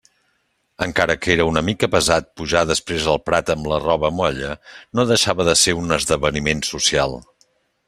Encara que era una mica pesat pujar després el prat amb la roba molla, no deixava de ser un esdeveniment social.